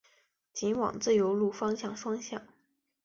仅往自由路方向双向